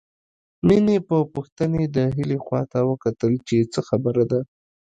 مينې په پوښتنې د هيلې خواته وکتل چې څه خبره ده